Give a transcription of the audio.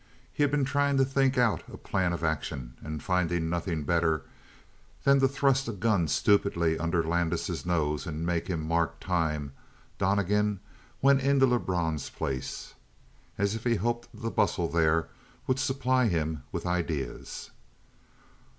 He had been trying to think out a plan of action, and finding nothing better than to thrust a gun stupidly under Landis' nose and make him mark time, Donnegan went into Lebrun's place. As if he hoped the bustle there would supply him with ideas.